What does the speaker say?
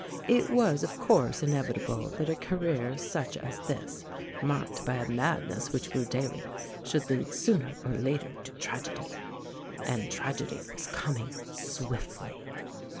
It was, of course, inevitable that a career such as this, marked by a madness which grew daily, should lead sooner or later to tragedy. And tragedy was coming swiftly.